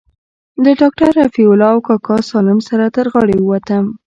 له ډاکتر رفيع الله او کاکا سالم سره تر غاړې ووتم.